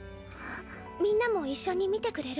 みんなも一緒に見てくれる？